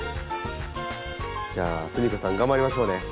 じゃあすみこさん頑張りましょうね。